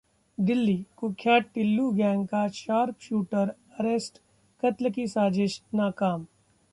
दिल्ली: कुख्यात टिल्लू गैंग का sharp shooter arrest, कत्ल की साजिश नाकाम